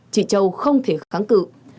chị châu không thể kháng cự